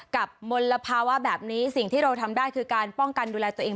มลภาวะแบบนี้สิ่งที่เราทำได้คือการป้องกันดูแลตัวเอง